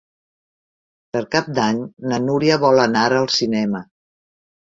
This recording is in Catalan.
Per Cap d'Any na Núria vol anar al cinema.